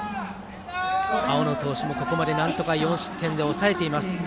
青野投手もここまでなんとか４失点で抑えています。